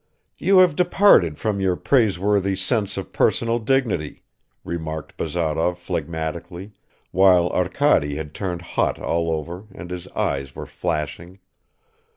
"You have departed from your praiseworthy sense of personal dignity," remarked Bazarov phlegmatically, while Arkady had turned hot all over and his eyes were flashing.